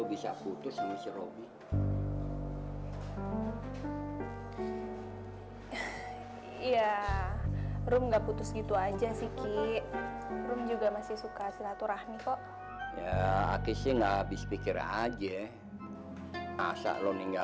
pasti akan ada balesannya